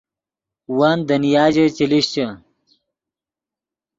ون دنیا ژے چے لیشچے